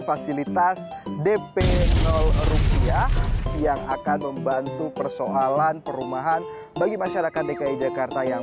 fasilitas dp rupiah yang akan membantu persoalan perumahan bagi masyarakat dki jakarta yang